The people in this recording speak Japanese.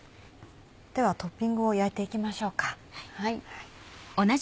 ではトッピングを焼いていきましょうか。